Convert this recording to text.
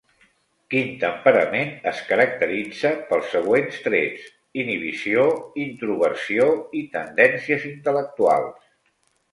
Quin temperament es caracteritza pels següents trets: inhibició, introversió i tendències intel·lectuals?